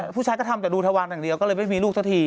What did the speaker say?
ผู้ชายก็ทำแต่ดูทวานอย่างเดียวก็เลยไม่มีลูกสักที